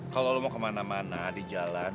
kalau lo mau kemana mana di jalan